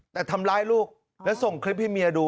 แต่ทำร้ายลูกแล้วส่งคลิปให้เมียดู